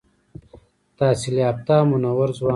تحصیل یافته او منور ځوان دی.